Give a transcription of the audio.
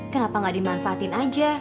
kenapa gak dimanfaatin aja